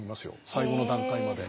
最後の段階まで。